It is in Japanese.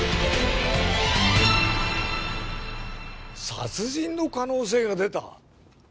殺人の可能性が出た！？